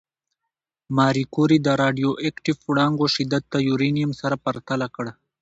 ماري کوري د راډیواکټیف وړانګو شدت د یورانیم سره پرتله کړ.